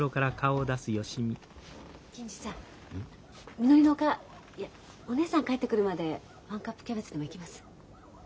みのりのお母いやお義姉さん帰ってくるまでワンカップキャベツでもいきます？